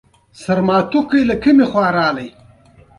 ازادي راډیو د ورزش په اړه د استادانو شننې خپرې کړي.